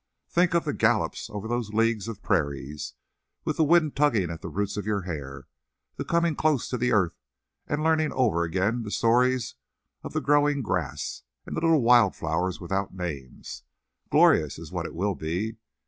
Think of the gallops over those leagues of prairies, with the wind tugging at the roots of your hair, the coming close to the earth and learning over again the stories of the growing grass and the little wild flowers without names! Glorious is what it will be.